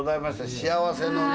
幸せのね。